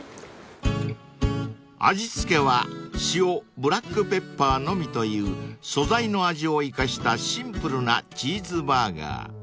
［味付けは塩ブラックペッパーのみという素材の味を生かしたシンプルなチーズバーガー］